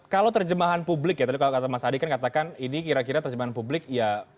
kalau terjemahan publik ya tadi kalau kata mas adi kan katakan ini kira kira terjemahan publik ya